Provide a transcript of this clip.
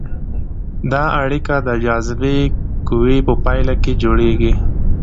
دا اړیکه د جاذبې قوې په پایله کې جوړیږي.